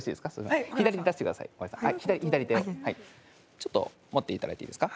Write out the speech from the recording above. ちょっと持っていただいていいですか？